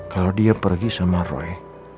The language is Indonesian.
kalau dia pergi sama roy